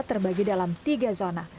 terbagi dalam tiga zona